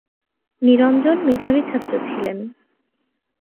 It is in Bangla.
নিরঞ্জন মেধাবী ছাত্র ছিলেন।